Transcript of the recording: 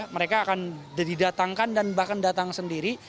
mereka akan didatangkan dan bahkan datang sendiri